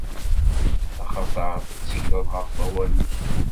Axaṭer ttekleɣ ɣef wawal-ik.